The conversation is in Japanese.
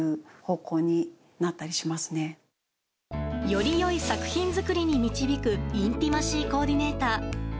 より良い作品作りに導くインティマシー・コーディネーター。